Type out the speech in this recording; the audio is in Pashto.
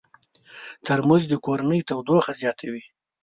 ترموز د کورنۍ تودوخه زیاتوي.